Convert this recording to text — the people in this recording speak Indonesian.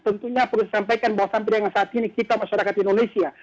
tentunya perlu disampaikan bahwa sampai dengan saat ini kita masyarakat indonesia